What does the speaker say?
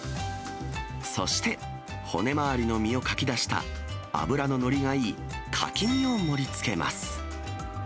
そして、骨周りの身をかき出した、脂の乗りがいいかき身を盛りつけます。